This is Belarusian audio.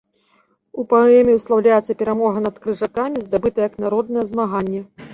У паэме услаўляецца перамога над крыжакамі, здабытая як народнае змаганне.